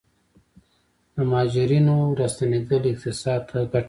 د مهاجرینو راستنیدل اقتصاد ته ګټه لري؟